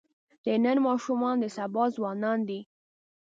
د نن ماشومان د سبا ځوانان دي.